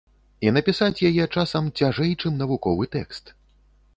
І напісаць яе, часам, цяжэй, чым навуковы тэкст.